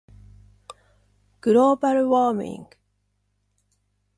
global warming